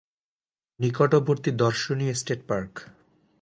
নিকটবর্তী দর্শনীয় state park.